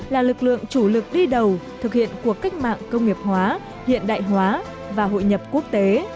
là lực lượng chủ lực đi đầu thực hiện cuộc cách mạng công nghiệp hóa hiện đại hóa và hội nhập quốc tế